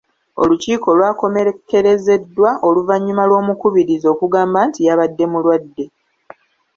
Olukiiko lwakomekkerezeddwa oluvannyuma lw'omukubiriza okugamba nti yabadde mulwadde.